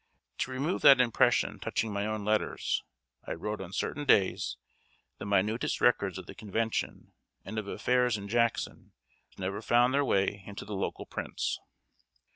To remove that impression touching my own letters, I wrote, on certain days, the minutest records of the Convention, and of affairs in Jackson, which never found their way into the local prints.